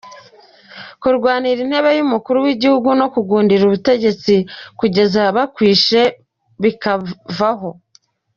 Kurwanira intebe y’umukuru w’igihugu no kugundira ubutegetsi kugeza bakwishe, bikavaho.